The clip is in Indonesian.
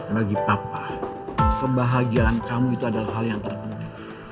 bagi papa kebahagiaan kamu itu adalah hal yang terpenuhi